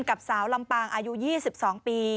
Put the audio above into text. กับสาวลำปางอายุ๒๒ปี